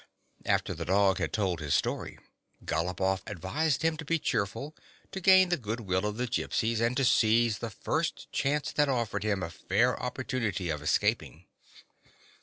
After the dog had told his story, Galopoff ad vised him to be cheerful, to gain the good will 30 THE DOG MEETS A FRIEND of the Gypsies, and to seize the first chance that offered him a fair opportunity of escaping.